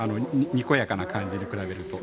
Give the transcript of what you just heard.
にこやかな感じに比べると。